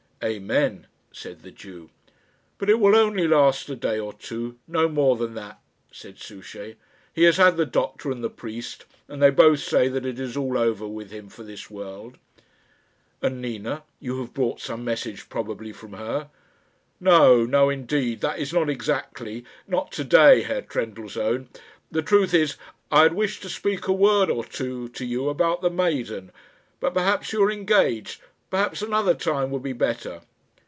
"Amen," said the Jew. "But it will only last a day or two; no more than that," said Souchey. "He has had the doctor and the priest, and they both say that it is all over with him for this world." "And Nina you have brought some message probably from her?" "No no indeed; that is, not exactly; not to day, Herr Trendellsohn. The truth is, I had wished to speak a word or two to you about the maiden; but perhaps you are engaged perhaps another time would be better."